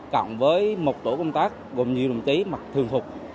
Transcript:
cộng với một tổ công tác gồm nhiều đồng chí mặc thường phục